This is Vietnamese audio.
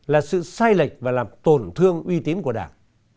là sự sai lệch và làm tổn thương uy tín của đảng